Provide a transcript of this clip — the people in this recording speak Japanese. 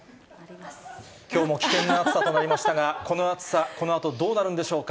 きょうも危険な暑さとなりましたが、この暑さ、このあとどうなるんでしょうか。